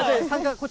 こっち。